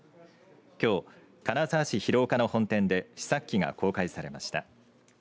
きょう金沢市広岡の本店で試作機が公開されました。